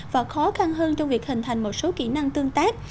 và khó khăn hơn trong việc hình thành một số kỹ năng tương tác